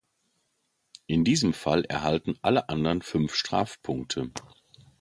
In diesem Fall erhalten alle anderen fünf Strafpunkte.